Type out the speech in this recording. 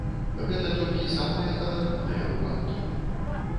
Гэта толькі самыя каларытныя выпадкі!